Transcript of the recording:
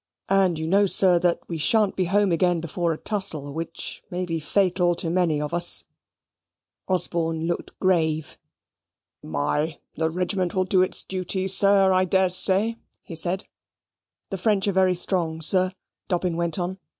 And you know, sir, that we shan't be home again before a tussle which may be fatal to many of us." Osborne looked grave. "My s , the regiment will do its duty, sir, I daresay," he said. "The French are very strong, sir," Dobbin went on.